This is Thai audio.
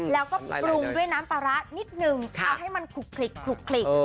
แล้วก็ปรุงด้วยน้ำปลาร้านิดนึงเอาให้มันคลุก